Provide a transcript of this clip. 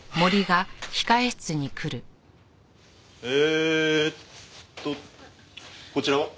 えーっとこちらは？